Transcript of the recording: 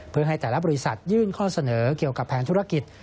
เพื่อให้แต่ละบริษัทยื่นข้อเสนอเกี่ยวกับแผนธุรกิจ